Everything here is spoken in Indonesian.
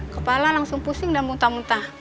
kepala langsung pusing dan muntah muntah